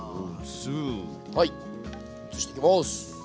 はい移していきます。